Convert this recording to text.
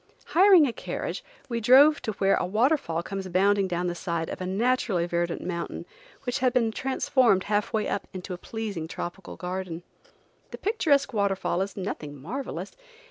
Hiring a carriage we drove to where a waterfall comes bounding down the side of a naturally verdant mountain which has been transformed, half way up, into a pleasing tropical garden. The picturesque waterfall is nothing marvelous.